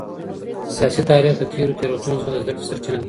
سياسي تاريخ د تېرو تېروتنو څخه د زده کړي سرچينه ده.